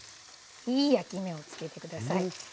いい焼き目を付けて下さい。